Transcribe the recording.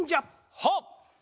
はっ！